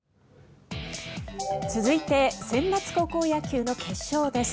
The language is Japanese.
続いてセンバツ高校野球の決勝です。